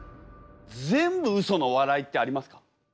全部ウソのお笑いってありますか？